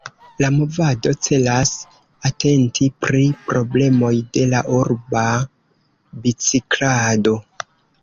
La movado celas atenti pri problemoj de la urba biciklado.